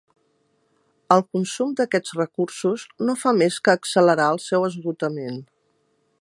El consum d'aquests recursos no fa més que accelerar el seu esgotament.